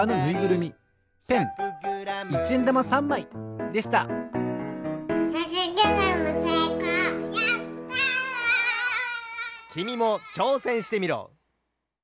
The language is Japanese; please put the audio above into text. きみもちょうせんしてみろ！